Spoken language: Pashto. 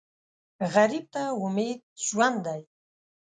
غریب ته امید ژوند دی